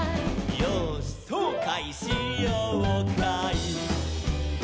「よーしそうかいしようかい」